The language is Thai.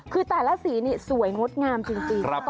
คือแต่ละสีนี่สวยงดงามจริง